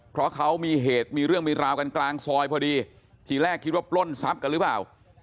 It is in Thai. เพราะเขามีเหตุมีเรื่องมีราวกันกลางซอยพอดีทีแรกคิดว่าปล้นทรัพย์กันหรือเปล่า